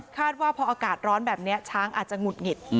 ว่าพออากาศร้อนแบบนี้ช้างอาจจะหงุดหงิด